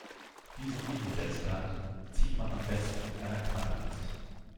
Diesen Innensechskant zieht man am besten mit einer Knarre fest.